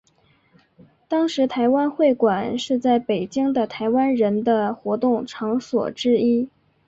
当时台湾会馆是在北京的台湾人的活动场所之一。